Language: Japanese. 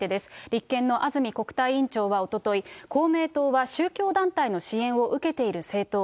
立憲の安住国対委員長はおととい、公明党は宗教団体の支援を受けている政党。